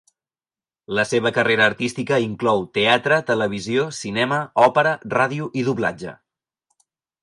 La seva carrera artística inclou teatre, televisió, cinema, òpera, ràdio i doblatge.